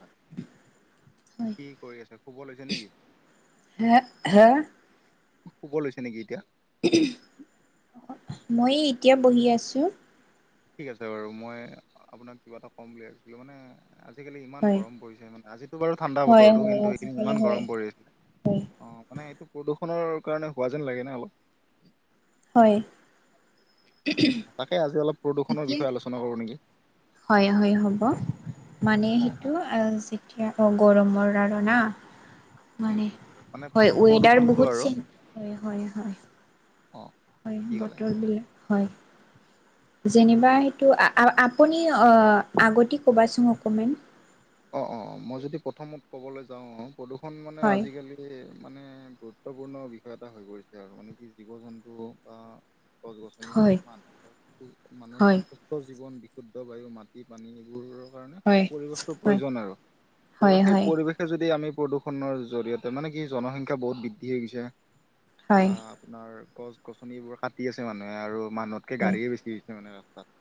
থাক হয় কি কৰি আছা, শুব লৈছা নেকি হা হা শুব লৈছা নেকি এতিয়া মই এতিয়া বহি আছো ঠিক আছে বাৰু মই আপোনাক কিবা এটা ক'ম বুলি ভাবিছিলোঁ মানে আজিকালি ইমান হয়। গৰম পৰিছে মানে আজিতো বাৰু ঠাণ্ডা হয় বতৰতো হয় কিন্তু এদিন আজিকালি ইমান হয়। গৰম পৰি আছে হয়। অ মানে এইটো প্ৰদূষণৰ কাৰণে হোৱা যেন লাগে নে অলপ হয় তাকে আজি অলপ প্ৰদূষণৰ এতিয়া বিষয়ে আলোচনা কৰো নেকি হয় হয় হ'ব মানে অ অ সেইটো যেতিয়া অ গৰমৰ আৰু না উম, মানে উম। মানে হয় ৱেডাৰ প্ৰদূষণটো বহুত আৰু চেনচ হয় হয় হয় অ হয় কি ক'লে বতৰবিলাক হয় যেনিবা সেইটো আ-আ-আপুনি অ-আগতে ক'বাচোন অকমান অ অ মই যদি প্ৰথমত ক'বলৈ যাওঁ অ প্ৰদূষণ মানে হয় আজিকালি সেই মানে গুৰুত্বপূৰ্ণ বিষয় এটা হৈ পৰিছে আৰু মানে কি জীৱ জন্তু বা গছ -গছনি হয় মানুহৰ হয় মানুহ জীৱন বিশুদ্ধ বায়ু, মাটি, পানী সেইবোৰৰ কাৰণে হয় পৰিৱেশটো হয় প্ৰয়োজন আৰু হয় ত' সেই হয় পৰিৱেশ যদি আমি প্ৰদূষণৰ জৰিয়তে মানে কি জনসংখ্যা বহুত বৃদ্ধি হৈ গৈছে হয় বা আপোনাৰ গছ-গছনিবোৰ কাটি আছে মানুহে আৰু মানুহতকে হয় গাড়ীয়ে বেছি হৈছে মানে ৰাস্তাত।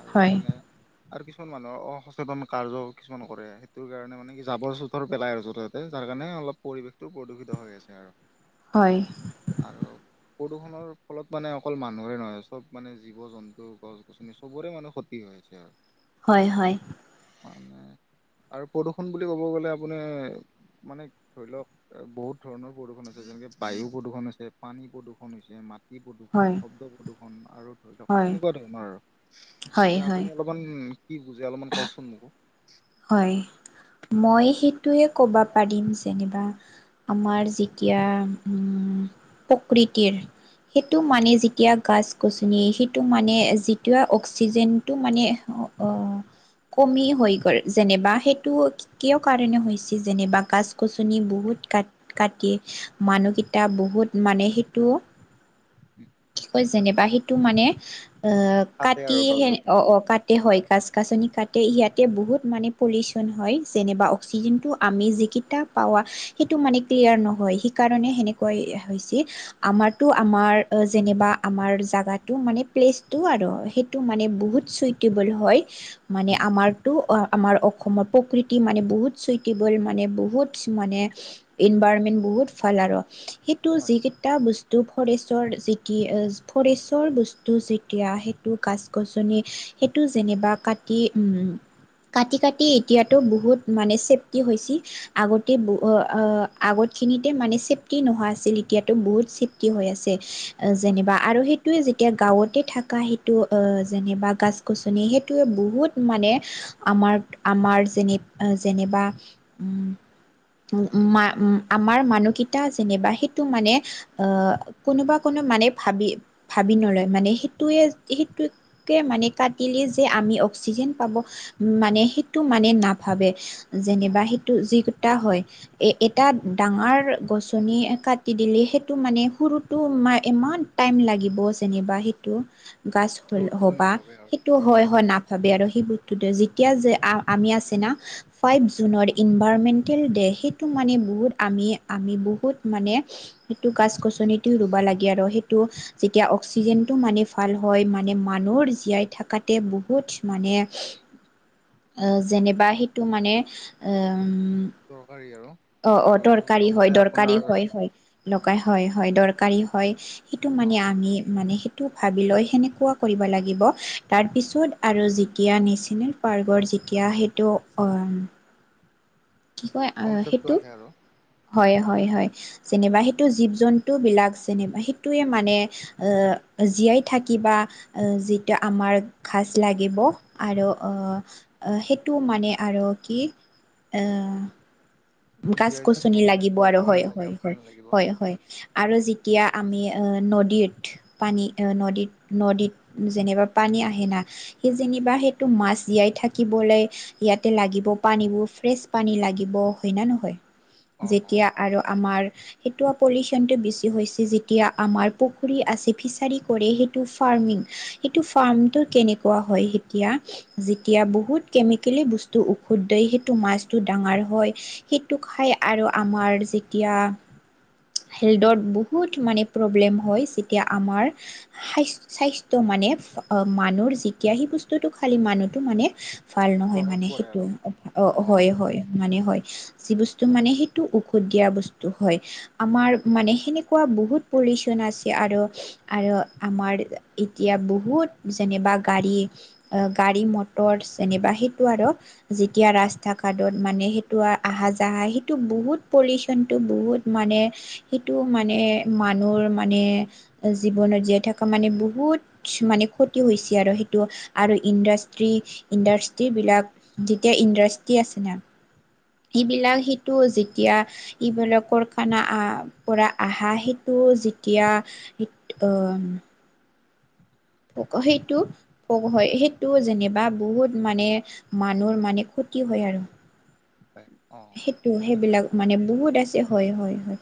আৰু হয় মানে আৰু কিছুমান মানুহৰ অসচেতন কাৰ্য কিছুমান কৰে সেইটোৰ কাৰণে মানে কি জাবৰ-জোথৰ পেলাই আৰু য'তে- ত'তে যাৰ কাৰণে অলপ পৰিৱেশটো প্ৰদূষিত হৈ আছে আৰ। [inaudible] হয়। আৰব প্ৰদূষণৰ ফলত মানে অকল মানুহৰে নহয় চব মানে জীৱ-জন্তু, গছ-গছনি চবৰে মানে ক্ষতি হৈ আছে আ [inaudible] হয় হয়। মানে আৰু প্ৰদূষণ বুলি ক'ব গ'লে আপুনি মানে ধৰি লওক বহুত ধৰণৰ প্ৰদূষণ আছে যেনেকে বায়ু প্ৰদূষণ আছে পানী প্ৰদূৰষণ হৈছে মাট- টি হয় প্ৰদূষণ, শব্দ প্ৰদূষণ আৰু ধৰি লওক হয় সেনেকুৱা ধৰণৰ আৰু হয় এতিয়া হয় আপুনি অলপ অলমান কি বুজে অলপমান কওকচোন মোকো? হয় মই সেইটোৱে ক'বা পাৰিম যেনিবা আমাৰ যেতিয়া উম প্ৰকৃতিৰ সেইটো মানে যেতিয়া গাছ-গছনি সেইটো মানে যিটো অক্সিজেনটো মানে অ অ কমি হৈ গ'ল। যেনেবা সেইটো কিয় কাৰণে হৈছে যেনিবা গাছ-গছনি বহুত কাট- কাটি মানুহকেইটা বহুত মানে সেইটো কি [unintelligible] কয় যেনেবা সিটো মানে অ কাটে আৰু কাটি গছ হে অ গছনিবোৰ অ কাট তে হয় কাছ কাছনি কাটে ইয়াতে বহুত মানে পলিউচন হয় যেনেবা অক্সিজেনটো আমি যিকেইটা পাৱা সেইটো মানে ক্লিয়াৰ নহয় সেইকাৰণে সেনেকুৱাই হৈছে। আমাৰতো অ আমাৰ নেবা আমাৰ জোগাটো মানে প্লেচটো আৰু সেইটো মানে বহুত চুইটেবল হয়। মানে উম আমাৰতো অ আমাৰ অ সম প্ৰকৃতি মানে বহুত চুইটেবল মানে বহুত মানে ইনভাৰণমেন্ট বহুত ভাল আৰ সেইটো হয় যিকেইটা বস্তু ফৰেষ্ট যৰ যি টি ফৰেষ্টৰ বস্তু যেতিয়া সেইটো গাছ-গছনি সেইটো যেনিবা কাটি উম উম। কাটি কাটি এতিয়াতো বহুত মানে চেফটি হৈছি। আগতে বো ৱা আ আগতখিনিতে মানে চছেফটি নোহোৱা আছিল এতিয়াতো বহুত চছেফটি হৈ আছে। আ হয় যেনিবা আৰু সেইটোয়ে যেত- এতিয়া গাঁৱতে থকা সেইটো যেনিবা গাছ-গছনি সেইটোৱে বহুত মানে আমাৰপ আমাৰ যেনিপ যেনেবা উম উ মা আমাৰ মানুকিতা যেনিবা সেইটো মানে আহ। কোনোবা কোনো মানে ভাবি ভাবি নলয় মানে সেইটোয়ে সেইটোৱে কে মানে কাটিলে যে আমি অক্সিজেন পাব উ মানে সেইটো মানে নাভাবে ন, যেনিবা সেইটো যিকোটা হয়। এ এটা ডাঙৰ গছনি কাটি দিলে সেইটো মানে সৰুত টো মাই টাইম লাগিব যেনিবা সেইটো গছ সেই হল বস্তুটো হ'বা নাভাবে আৰু সেইটো হয় হয় না- ভাবে আৰু সেই বোটটোটোৱে যেতিয়া যে আমি আছে না ফাইভ জুনৰ ইনভাৰমেণ্টেল ডে সেইটো মানে বহুত আমি আমি বহুত মানে সেইটো গাছ-গছনিটো ৰুবা লাগে আৰু সেইটো যেতিয়া অক্সিজেনটো মানে ভাল হয়, মানে মানুহৰ জীয়াই থকাতে বহুত মানে [unintelligible] [inaudible] [unintelligible] যেনেবা সেইটো মানে আহ দৰকাৰী আৰু। [unintelligible] অ-অ, দৰকাৰী হয়, লগতে দৰকাৰী আপোনাৰ হয়-হয়। [unintelligible] দৰকাৰ হয়-হয়। দৰকাৰী হয় সেইটো অ মানে আমি মানে সেই [unintelligible] যিটো ভাবি লয় সেনেকুৱা কৰিব লাগিব তাৰপিছত আৰু [unintelligible] [unintelligible] এতিয়া নেশ্যনেল পাৰ্কৰ যেতিয়া সেইটো অ [unintelligible] কয় আহ কনচেপ্টটো সেইটো। আহে আৰু হয়-হয়-হয়। যেনিবা সেইটো জীৱ-জন্তুবিলাক যেনেবা সেইটোৱেই মানে [unintelligible] আহ জীয়াই থাকি বা [unintelligible] আহ যিটো আমাৰ ঘাচ লাগিব আৰু আহ [unintelligible] আহ সেইটো মানে আৰু কি [unintelligible] আহ জীয়াই থাকিব গছ-গছনি কাৰণে লাগিব গছ আৰু গছনি লাগে অক্সিজেন লাগিব হয়-হয়-হয়-হয়-হয়। অ [unintelligible] আৰু যেতিয়া আমি [unintelligible] নদীত পানী [unintelligible] নদীত-নদীত যেনেবা পানী আহে না সি যেনিবা সেইটো মাছ জীয়াই থাকিবলৈ [unintelligible] ইয়াতে লাগিব পানীবোৰ ফ্ৰেচ পানী লাগিব। [unintelligible] হয় না নহয়? অ যেতিয়া আৰু আমাৰ [unintelligible] সেইটো [unintelligible] পলিউচনটো বেছি হৈছে যেতিয়া আমাৰ পুখুৰী আছে, ফিছাৰী কৰে সেইটো ফাৰ্মিং। সেইটো ফাৰ্মটো কেনেকুৱা হয় এতিয়া [inaudible] যেতিয়া বহুত কেমিকেলি বস্তু ঔষধ দি সেইটো মাছটো ডাঙৰ হয়। [unintelligible] সেইটো খাই আৰু আমাৰ যেতিয়া [inaudible] হেল্থদত বহুত মানে প্ৰব্লেম হয় যেতিয়া আমাৰ [inaudible] স্বাস [unintelligible] স্বাস্থ্য মানে মানুহৰ যেতিয়া সেই বস্তুটো খালে মানুহটো মানে ভাল নহয় প্ৰভাৱ মানে পৰে সেইটো আৰু অ হয়-হয় মানে হয়। [unintelligible] যি বস্তু হয় মানে সেইটো ঔষধ দিয়া বস্তু হয়। আমাৰ মানে সেনেকুৱা বহুত পলিউচন আছে আৰু [inaudible] আৰু আমাৰ এতিয়া বহুত যেনেবা গাড়ী [unintelligible] গাড়ী, মটৰ যেনেবা সেইটো আৰু যেতিয়া ৰাস্তা-ঘাটত মানে সেইটো আ [inaudible] আহা যায় সেইটো বহুত পলিউচনটো বহুত মানে [inaudible] সেইটো মানে মানুহৰ মানে [inaudible] জীৱনত জীয়াই থকা মানে বহুত মানে ক্ষতি হৈছে আৰু সেইটো। [inaudible] আৰু ইণ্ডাষ্ট্ৰী-ইণ্ডাষ্ট্ৰিবিলাক যেতিয়া ইণ্ডাষ্ট্ৰি আছেনে [unintelligible] হয় সেইবিলাক সেইটো যি [inaudible] যেতিয়া ইবিলাকৰ কাৰখানা পৰা আহা সেইটো যেতিয়া [unintelligible] [unintelligible] অ! [unintelligible] সেইটো [unintelligible] হয়। সেইটো যেনেবা বহুত মানে মানুহৰ মানে ক্ষতি হয় আৰু। হয় অ সেইটো ঠিকে সেইবিলাক মানে বহুত আছে হয়-হয়-হয়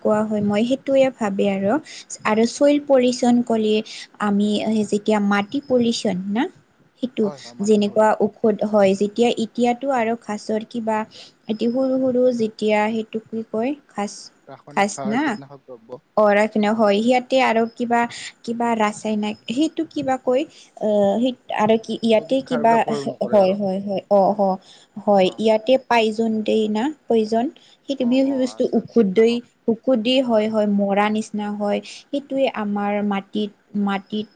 অ হয়। মই সেই [unintelligible] সেইটোৱেই ভাৱে আৰু। আৰু অ চইল পলিউচন ক'লে [unintelligible] আমি যেতিয়া মাটি পলিচন না সেইটো হয় হয় মাটি যেনেকুৱা [inaudible] পলিউচন [unintelligible] হয় যেতিয়া এতিয়াতো আৰু ঘাঁচৰ কিবা এটি সৰু-সৰু যেতিয়া সেইটো কি কয় ঘাঁচ [unintelligible] ৰাসায়নিক সাৰ, কীটনাশক দ্ৰব্য। [unintelligible] অঁৰা কিনে হয় সিয়াতে আৰু কিবা কিবা ৰাসায়নিক সেইটো কিব কৈ আহ সেই আৰু কি ইয়াতে জৈৱিক সাৰ কিবা বিলাক প্ৰয়োগ নকৰে হয় আৰু হয় হয় অহ হয় অ ইয়াতে পাইজন দেই না প্ৰয়োজন সেইটো অ বি অ সেই বস্তু আচ্ছা ঔষুদ্ধেই কীটনাশক ঔষুদ্ধি হয় হয় মৰা নিচিনা নিচনা হয় সেইটোৱে আমাৰ মাটিত মাটিত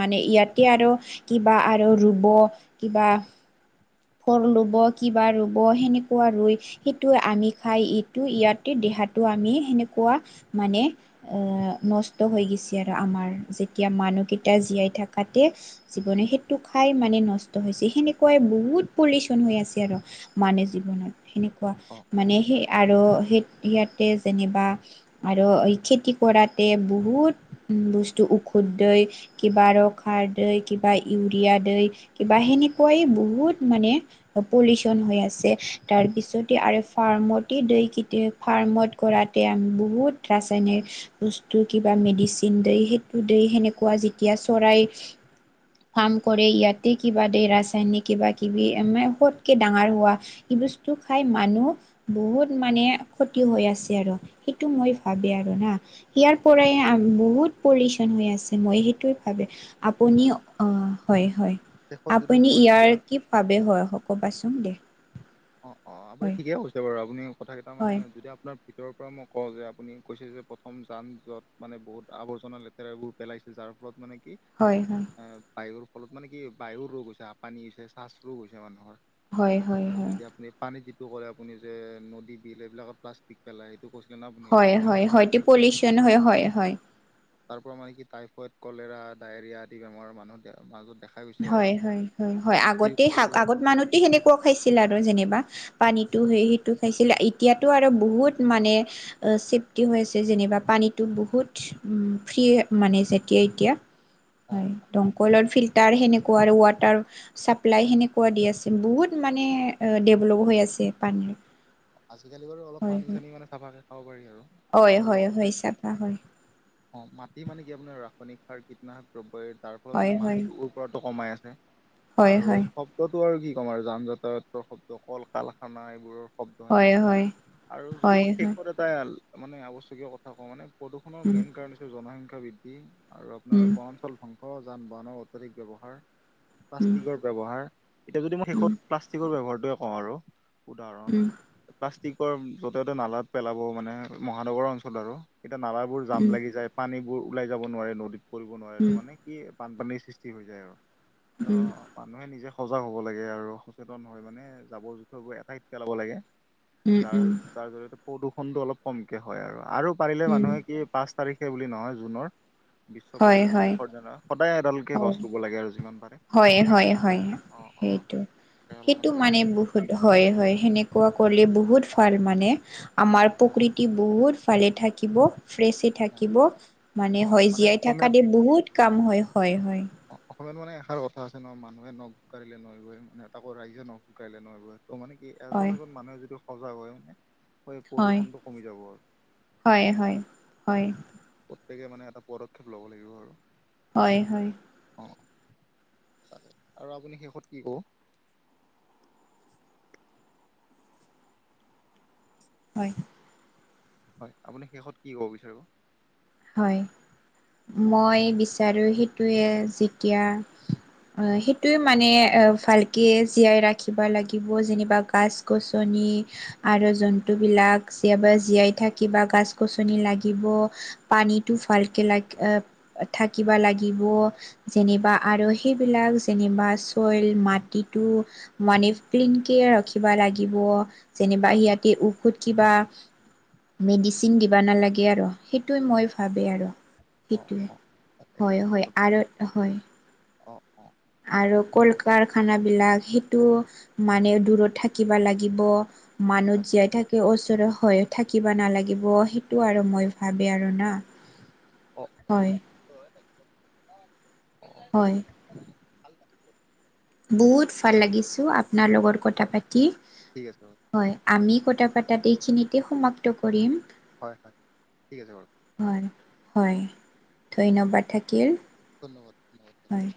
মানে ইয়াতে আৰু কিবা আৰু ৰুব কিবা ফল ৰুব কিবা ৰুব সেনেকুৱা ৰুই সেইটো আমি খাই ইটো ইয়াতে দেহাটো আমি সেনেকুৱা মানে আহ নষ্ট হৈ গৈছে আৰু আমাৰ যেতিয়া মানুহকেইটা জীয়াই থাকতে জীৱনে সেইটো খাই মানে নষ্ট হৈছে সেনেকুৱাই বহুত পলিউচন হৈ আছে আৰু মানুহ জীৱনত সেনেকুৱা অ মানে সেই আৰু সেই ইয়াতে যেনিবা আৰু এই খেতি কৰাতে বহুত বস্তু ঔষধই কিবা ৰস সাৰ দ কিবা ইউৰিয়া দ কিবা সেনেকুৱাই বহুত মানে পলিউচন হৈ আছে তাৰ পিছতে আৰু ফাৰ্মতে দ কে ফাৰ্মত কৰাতে আমি বহুত ৰাসায়নিক বস্তু কিবা মেডিচিন দ সেইটো দ সেনেকুৱা যেতিয়া চৰাই ফাৰ্ম কৰে ইয়াতে কিবা দে ৰাসায়নিক কিবা কিবি মানে ফতকে ডাঙৰ হোৱা এই বস্তু খাই মানুহ বহুত মানে ক্ষতি হৈ আছে আৰু সেইটো মই অ ভাবি আৰু না ইয়াৰ অ পৰাই বহুত পলিউচন হৈ আছে মই সেইটো ভাবে আপুনি অ হয় হয় শেষত যদি আপুনি মই ইয়াৰ এতিয়া কি ভাবে হয় হক'বাচোন দে অ অ আপুনি হয় ঠিকে কৈছে বাৰু আপুনি কথা কেইটা মানে হয় যদি আপোনাৰ তেওঁ পৰা মই কওঁ যে আপুনি কৈছে যে প্ৰথম যান য'ত মানে বহুত আৱৰ্জনা লেতেৰাবোৰ পেলাইছে যাৰ ফলত মানে কি - হয় হয় এ বায়ুৰ ফলত মানে কি বায়ুৰ ৰোগ হৈছে পানী হৈছে চাছ ৰোগ হৈছে মানুহৰ হয় হয় আৰু হয় যেতিয়া আপুনি পানীত যিটো কলে আপুনি যে নদী বিল এইবিলাকত প্লাষ্টিক পেলাই কচলে ন আপুনি হয় ৰাসায়নিক হয় সাৰ হয়টো কীটনাশক পলিউশ্যন হয় হয় হয় তাৰ পৰা মানে কি টাইফইড কলেৰা ডায়েৰিয়া আদি বেমাৰৰ মানুহ মাজত দেখা গৈছে আৰু। হয় হয় হয় আৰু হয় মাটিৰ আগতে যিটো ক'লে আগত আপুনি মানুহ সেনেকুৱাও খাইছিল আৰু যেনিবা পানীটো সেই সেইটো খাইছিল এতিয়া টো আৰু বহুত মানে চেফটি হৈ আছে যেনিবা পানীটো বহুত ফ্ৰী মানে যেতিয়া এতিয়া অ', হয় দমকলৰ ফিল্টাৰ সেনেকুৱা আৰু ৱাটাৰ চাপ্লাই অ', সেনেকুৱা দি আছে বহুত মানে ডেভলপ হৈ আছে পানীৰ আজিকালি বাৰু অলপ হয় পানী হয় চানী মানে চাফাকে খাব পাৰি আৰু হয় আৰু হয় লগতে হয় চাফা হয় অ মাটি মানে কি আপোনাৰ ৰাসায়নিক সাৰ কীটনাশক দ্ৰব্য তাৰ ফলত হয় মানে হয় মাটিত ৰাটো কমাই আছে হয় আৰু হয় সব শব্দতো আৰু কি ক'ম আৰু যান যাতায়তৰ শব্দ কল কালখানা এইবোৰৰ শব্দ হয় ত'হেনেকুৱা হয় আৰু যদি হয় মই শেষ হয় পদত প্ৰায় মানে আৱশ্যকীয় কথা কওঁ মানে প্ৰদূষণৰ উম মেইন কাৰণ হৈছে জনসংখ্যা বৃদ্ধি। আৰু আপোনাৰ উম বনাঞ্চল ধ্বংস যান-বাহনৰ অত্যাধিক ব্যৱহাৰ, উম প্লাষ্টিকৰ ব্যৱহাৰ এতিয়া যদি মই উম শেষত প্লাষ্টিকৰ ব্যৱহাৰটোৱে কওঁ আৰু উদাহৰণ উম উম প্লাষ্টিকৰ য'তে ত'তে নালাত পেলাব মানে মহানগৰৰ অঞ্চলত আৰু এতিয়া নালাত বোৰ জাম লাগি যায় পানীবোৰ ওলাই যাব নোৱাৰে নদীত পৰিব নোৱাৰে উম এইটো মানে কি বানপানীৰ সৃষ্টি হৈ যায় আৰু তো উম মানুহে নিজে সজাগ হ'ব লাগে আৰু সচেতন হৈ মানে জাবৰ জোথৰ গ এঠাইত পেলাব লাগে। উম যাৰ উম যাৰ জৰিয়তে প্ৰদূষণটো অলপ কমকে হয় আৰু পাৰিলে উম মানুহে কি পাঁচ তাৰিখে বুলি নহয় জুনৰ বিশ্ব হয় পৰিৱেশ হয় হয় দিৱসৰ দিনা সদায় এডালকে গছ ৰুব লাগে আৰু যিমান পাৰে। হয় হয় হয় অ অ সেইটো, অলপমান সেইটো ভাল মানে বহুত হয় হয় সেনেকুৱা কৰিলে বহুত ভাল মানে আমাৰ অ প্ৰকৃতি বহুত ভালে থাকিব ফ্ৰেছে অ থাকিব মানে অ হয় জীয়াই অসমীয়া থকা দি বহুত কাম হয় হয় হয়। অ অসমীয়ত মানে এষাৰ কথা আছে ন মানুহে নখ জোকাৰিলে নৈ বয় মানে তাকো ৰাইজে নখ জোকাৰিল নৈ বয় ত' মানে কি? এজন এজন মানুহে যদি সজাগ হয় মানে সেই হয় প্ৰদূষণটো কমি যাব আৰু হয় হয়, হয়। প্ৰত্যেকে মানে এটা পদক্ষেপ ল'ব লাগিব আৰু হয় হয়। অৱ তাকে আৰু আপুনি শেষত কি ক'ব? হয়। হয় আপুনি শেষত কি ক'ব বিচাৰিব? হয়, মই বিচাৰোঁ সেইটোৱে যেতিয়া সেইটোৱে মানে ভালকে জীয়াই ৰাখিব লাগিব যেনিবা গাছ গছনি আৰু জন্তু বিলাক জীয়াই বাই জীয়াই থাকিব বা গছ-গছনি লাগিব। পানীটো ভালকে লাগি থাকিব লাগিব। যেনিবা আৰু সেইবিলাক যেনিবা চইল মাটিটো মানে ক্লিন কেয়াৰ ৰাখিব লাগিব যেনিবা সিহঁতে উখুত কিবা মেডিচিন দিব নালাগে আৰু সেইটোৱে মই ভাবে আৰু অ সেইটোৱে, অ তাকে হয় তাকে হয় আৰু হয়। অ অ আৰু কল-কাৰখানাবিলাক সেইটো মানে দূৰত থাকিব লাগিব। মানুহ তাকে জীয়াই থাকে ওচৰ হৈ থাকিব নালাগিব সেইটো আৰু মই ভাবে আৰু না হয় হয় [inaudible] বহুত ভাল লাগিছে অ আপোনাৰ লগত কথা পাতি। ঠিক আছে বাৰু হয় আমি কথা পাতাত এইখিনিতে সমাপ্ত কৰিম। হয়, হয়, ঠিক আছে বাৰু। হয়, হয়, ধন্যবাদ থাকিল। ধন্যবাদ ধন্যবাদ। হয়।